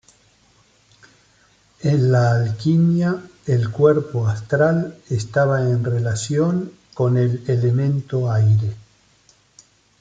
En la alquimia, el cuerpo astral estaba en relación con el elemento "aire".